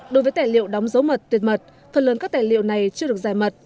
đối với tài liệu đóng dấu mật tuyệt mật phần lớn các tài liệu này chưa được giải mật